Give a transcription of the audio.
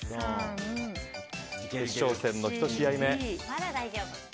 決勝戦の１試合目。